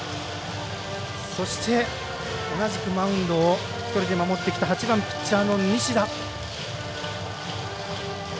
そして同じくマウンドを１人で守ってきた８番ピッチャーの西田。